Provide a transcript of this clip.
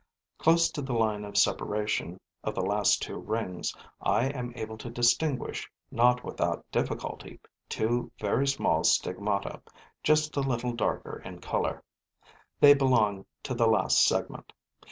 Close to the line of separation of the last two rings, I am able to distinguish, not without difficulty, two very small stigmata, just a little darker in color. They belong to the last segment.